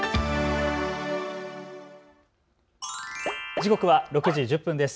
時刻は６時１０分です。